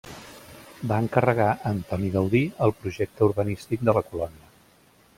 Va encarregar a Antoni Gaudí el projecte urbanístic de la colònia.